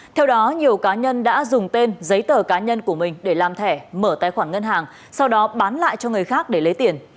theo đó nhiều cá nhân đã dùng tên giấy tờ cá nhân của mình để làm thẻ mở tài khoản ngân hàng sau đó bán lại cho người khác để lấy tiền